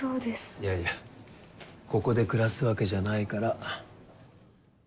いやいやここで暮らすわけじゃないから。